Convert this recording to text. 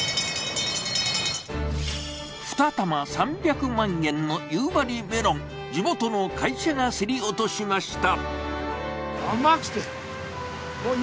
２玉３００万円の夕張メロン、地元の会社が競り落としました。